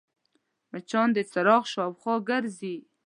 مچان د څراغ شاوخوا ګرځي